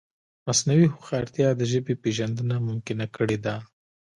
مصنوعي هوښیارتیا د ژبې پېژندنه ممکنه کړې ده.